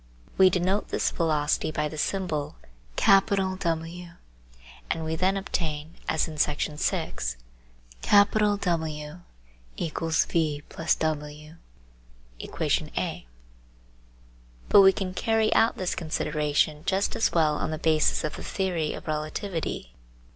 We denote this velocity by the symbol W, and we then obtain, as in Section 6, W=v+w A) But we can carry out this consideration just as well on the basis of the theory of relativity.